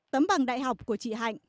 tấm bằng đại học của chị hạnh